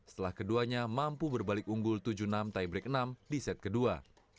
setelah keduanya mampu berbalik unggul tujuh enam tiebreak enam di set kedua